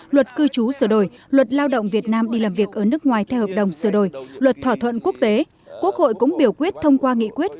luật cư trú sửa đổi luật lao động việt nam đi làm việc ở nước ngoài theo hợp đồng sửa đổi luật thỏa thuận quốc tế